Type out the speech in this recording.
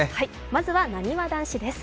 まずはなにわ男子です。